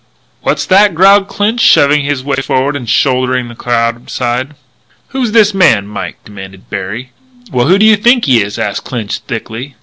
"What's that?" growled Clinch, shoving his way forward and shouldering the crowd aside. "Who's this man, Mike?" demanded Berry. "Well, who do you think he is?" asked Clinch thickly.